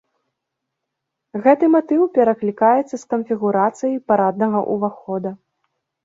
Гэты матыў пераклікаецца з канфігурацыяй параднага ўвахода.